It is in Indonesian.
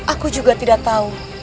aku juga tidak tahu